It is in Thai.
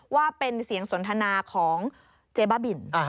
ว่าเป็นเสียงสนทนาของเจ๊บ้าบิน